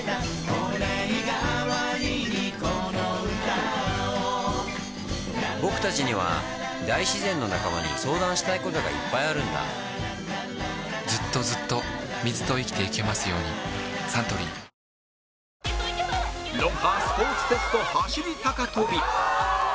御礼がわりにこの歌をぼくたちには大自然の仲間に相談したいことがいっぱいあるんだずっとずっと水と生きてゆけますようにサントリー『ロンハー』スポーツテスト走り高跳び